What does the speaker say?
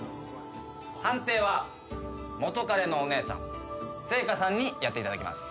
判定は元カレのお姉さん星夏さんにやっていただきます。